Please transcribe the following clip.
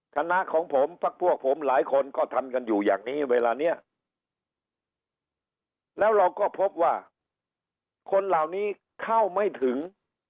คณะของผมพักพวกผมหลายคนก็ทำกันอยู่อย่างนี้เวลาเนี้ยแล้วเราก็พบว่าคนเหล่านี้เข้าไม่ถึง